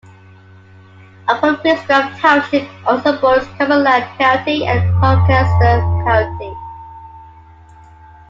Upper Pittsgrove Township also borders Cumberland County and Gloucester County.